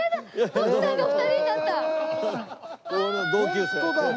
徳さんが２人になったよ。